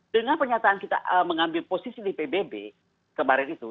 dengan pernyataan kita mengambil posisi di pbb kemarin itu